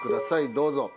どうぞ。